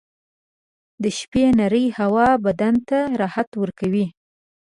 • د شپې نرۍ هوا بدن ته راحت ورکوي.